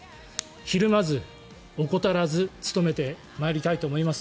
ひるまず、怠らず努めてまいりたいと思います。